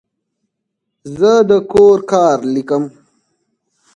زه د کور کار لیکم.